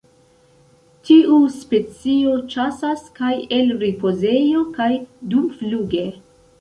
Tiu specio ĉasas kaj el ripozejo kaj dumfluge.